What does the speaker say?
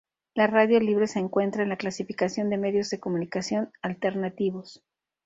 La radio libre se encuentra en la clasificación de Medios de Comunicación Alternativos.